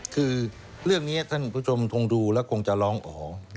คือเรื่องนี้ท่านผู้ชมคงดูแล้วคงจะร้องอ๋อ